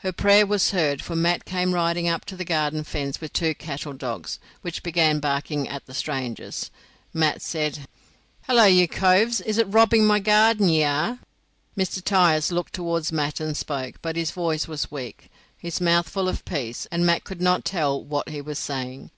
Her prayer was heard, for Mat came riding up to the garden fence with two cattle dogs, which began barking at the strangers. Mat said: "Hello, you coves, is it robbing my garden ye are?" Mr. Tyers looked towards Mat and spoke, but his voice was weak, his mouth full of peas, and Mat could not tell what he was saying.